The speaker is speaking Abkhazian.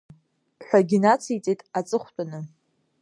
Ҳәагьы нациҵеит аҵыхәтәаны.